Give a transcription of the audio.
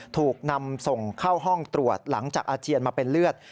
ถูกนำส่งเข้าห้องตรวจหลังจากอาเจียนมาเป็นเลือด